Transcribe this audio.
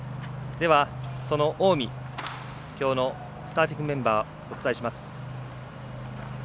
その近江、きょうのスターティングメンバーお伝えします。